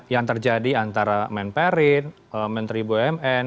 yang terjadi antara main parent main tribu oemn